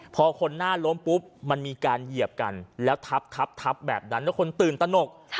พอคนหน้าล้มปุ๊บมันมีการเหยียบกันแล้วทับแบบนั้นแล้วคนตื่นตนก